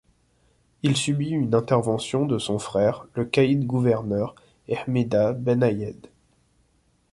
Il subit une intervention de son frère, le caïd-gouverneur Hmida Ben Ayed.